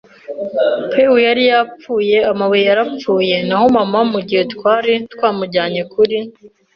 Pew yari yapfuye, amabuye yarapfuye. Naho mama, mugihe twari twamujyanye kuri